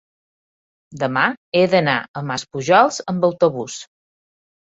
demà he d'anar a Maspujols amb autobús.